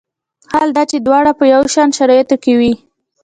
حال دا چې دواړه په یو شان شرایطو کې وي.